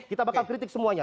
kita bakal kritik semuanya